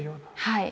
はい。